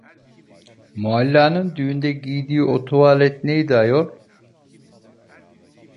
Mualla'nın düğünde giydiği o tuvalet neydi ayol?